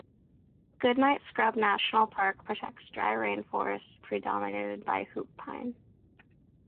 Goodnight Scrub National Park protects dry rainforest predominated by hoop pine.